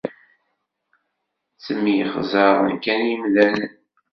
Ttemyexẓaren kan yimdanen.